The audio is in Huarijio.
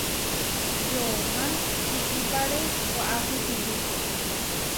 Yomá iʼipáre waʼási tirikó.